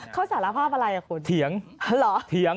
เขาสารภาพอะไรอุธิภาพเถียง